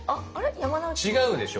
違うでしょ。